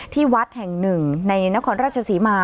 ที่วัดแห่งหนึ่งในนครราชศรีมา